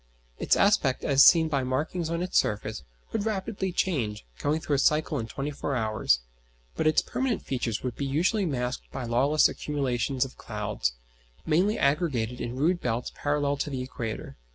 Its aspect, as seen by markings on its surface, would rapidly change, going through a cycle in twenty four hours; but its permanent features would be usually masked by lawless accumulations of cloud, mainly aggregated in rude belts parallel to the equator.